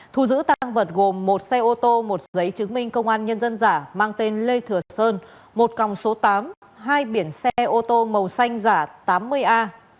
thu giữ tăng vật gồm một xe ô tô một giấy chứng minh công an nhân dân giả mang tên lê thừa sơn một còng số tám hai biển xe ô tô màu xanh giả tám mươi a năm mươi sáu nghìn năm trăm bốn mươi chín